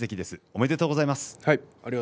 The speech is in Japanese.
おめでとうございます。